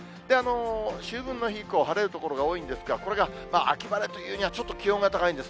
秋分の日以降、晴れる所が多いんですが、これが秋晴れというにはちょっと気温が高いんです。